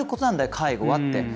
介護はって。